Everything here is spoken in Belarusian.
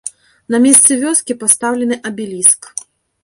На месцы вёскі пастаўлены абеліск.